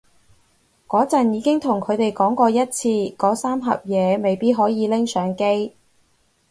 嗰陣已經同佢哋講過一次嗰三盒嘢未必可以拎上機